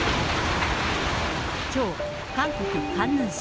きょう、韓国・カンヌン市。